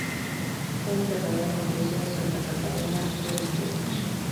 Fue enterrado en la iglesia de Santa Catalina de Utrecht.